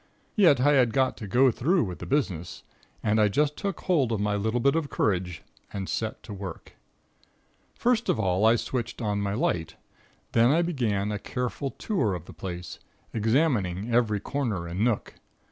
Yet, I had got to go through with the business, and I just took hold of my little bit of courage and set to work. "First of all I switched on my light, then I began a careful tour of the place; examining every corner and nook.